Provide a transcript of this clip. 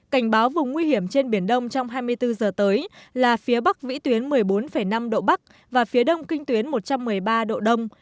cảnh báo vùng nguy hiểm trên biển đông trong hai mươi bốn giờ tới là phía bắc vĩ tuyến một mươi bốn năm độ bắc và phía đông kinh tuyến một trăm một mươi ba độ đông